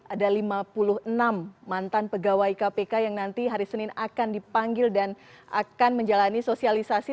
ada lima puluh enam mantan pegawai kpk yang nanti hari senin akan dipanggil dan akan menjalani sosialisasi